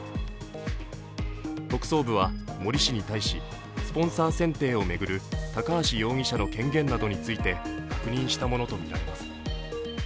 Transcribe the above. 特捜部は森氏に対しスポンサー選定を巡る高橋容疑者の権限などについて確認したものとみられます。